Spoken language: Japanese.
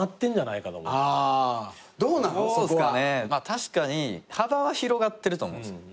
確かに幅は広がってると思うんですよ。